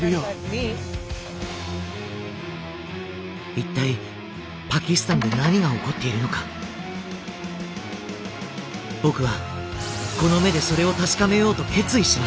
一体パキスタンで何が起こっているのか⁉僕はこの目でそれを確かめようと決意しました。